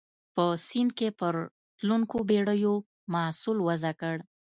په سیند کې پر تلونکو بېړیو محصول وضع کړ.